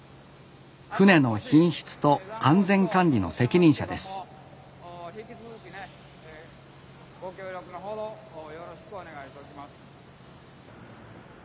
船の品質と安全管理の責任者ですご協力のほどよろしくお願いいたします。